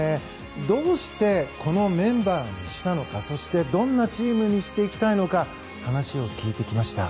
どうしてこのメンバーにしたのかそして、どんなチームにしていきたいのか話を聞いてきました。